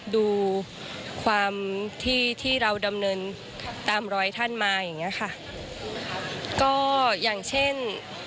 ดูความที่ที่เราดำเนินตามรอยท่านมาอย่างเงี้ยค่ะก็อย่างเช่น